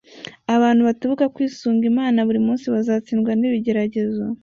abantu batibuka kwisunga imana buri munsi bazatsindwa n’ibigeragezo